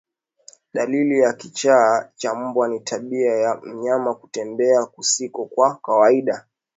Dalili ya kichaa cha mbwa ni tabia ya mnyama kutembea kusiko kwa kawaida